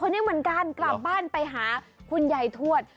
เธอคนนี้เหมือนกันกลับบ้านไปหาคุณใหญ่ทวด